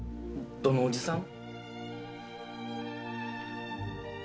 どのおじさん？